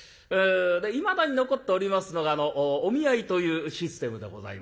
いまだに残っておりますのがお見合いというシステムでございます。